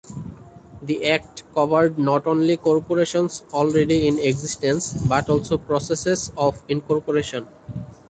The Act covered not only corporations already in existence but also processes of incorporation.